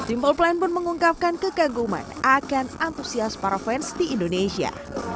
simple plan pun mengungkapkan kekaguman akan antusias para fans di indonesia